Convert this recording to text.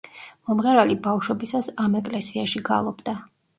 მომღერალი ბავშობისას ამ ეკლესიაში გალობდა.